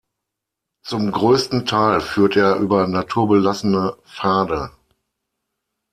Zum größten Teil führt er über naturbelassene Pfade.